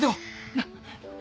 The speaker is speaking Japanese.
なっ。